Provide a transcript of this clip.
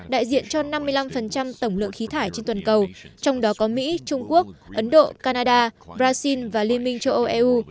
đại diện cho năm mươi năm tổng lượng khí thải trên toàn cầu trong đó có mỹ trung quốc ấn độ canada brazil và liên minh châu âu eu